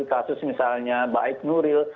kasus misalnya baik nuril